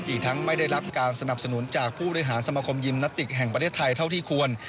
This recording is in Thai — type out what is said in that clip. อีกทั้งไม่ได้รับการสนับสนุนจากผู้บริหารสมคมยิมนาติกแห่งประเทศไทยเท่าที่ควร